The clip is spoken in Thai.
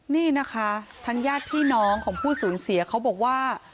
นี่นะคะทางญาติพี่น้องของผู้สูญเสียเขาบอกว่า